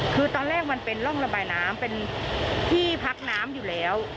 คือตอนแรกมันเป็นร่องระบายน้ำเป็นที่พักน้ำอยู่แล้ว